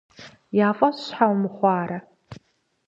Я фӀэщ щхьэ умыхъуарэ?